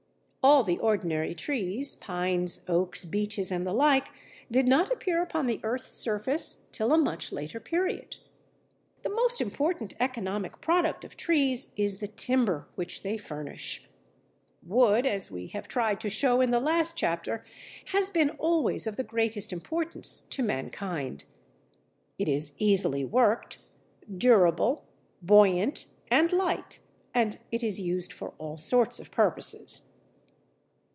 All the ordinary trees, Pines, Oaks, Beeches, and the like, did not appear upon the earth's surface till a much later period. The most important economic product of trees is the timber which they furnish. Wood, as we have tried to show in the last chapter, has been always of the greatest importance to mankind. It is easily worked, durable, buoyant, and light, and it is used for all sorts of purposes.